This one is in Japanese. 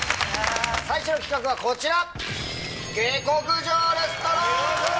最初の企画はこちら！